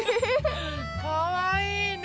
かわいいね。